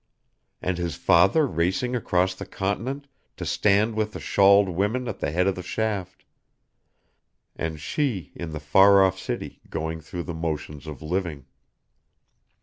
And his father racing across the continent, to stand with the shawled women at the head of the shaft. And she, in the far off city, going though the motions of living.